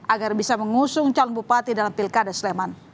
agar bisa mengusung calon bupati dalam pilkada sleman